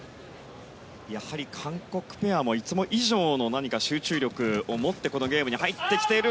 韓国ペアもいつも以上の集中力を持ってこのゲームに入ってきている。